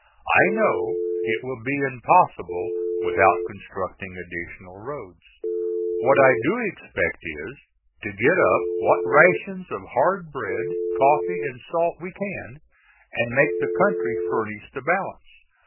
I know it will be impossible without constructing additional roads. What I do expect is to get up what rations of hard bread, coffee and salt we can, and make the country furnish the balance."